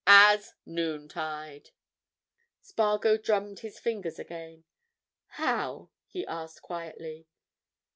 As—noontide!" Spargo drummed his fingers again. "How?" he asked quietly.